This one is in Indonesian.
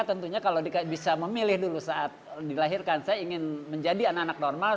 tentunya kalau bisa memilih dulu saat dilahirkan saya ingin menjadi anak anak normal